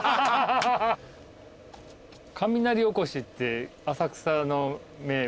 雷おこしって浅草の名物？